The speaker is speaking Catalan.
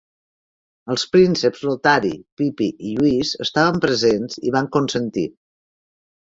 Els prínceps Lotari, Pipí i Lluís estaven presents i van consentir.